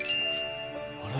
あれ？